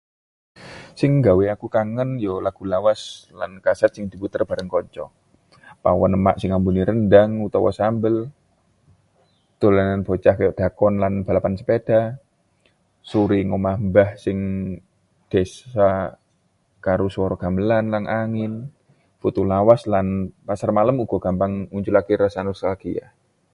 Sing nggawe aku kangen ya lagu lawas lan kaset sing diputer bareng kanca, pawon emak sing ambune rendang utawa sambal, dolanan bocah kaya dakon lan balapan sepeda, sore ing omah mbah ning desa karo swara gamelan lan angin. Foto lawas lan pasar malem uga gampang nguncalake rasa nostalgia.